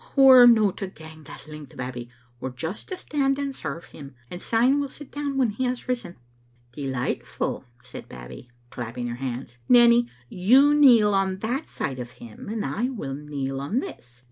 We're no to gang that length. Babbie; we're just to stand and serve him, and syne we'll sit down when he has risen." "Delightful!" said Babbie, clapping her hands. "Nanny, you kneel on that side of him, and I will kneel on this.